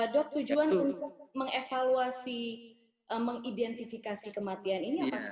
dok tujuan untuk mengevaluasi mengidentifikasi kematian ini apa